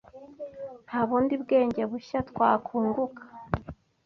nta bundi bwenge bushya twakunguka